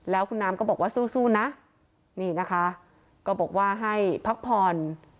แล้วคุณน้ำก็บอกว่าสู้นะนี่นะคะก็บอกว่าให้พักผ่อน